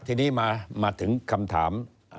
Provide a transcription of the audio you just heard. ทีนี้มาถึงคำถาม